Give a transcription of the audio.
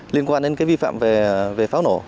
liên quan đến cái vi phạm về pháo nổ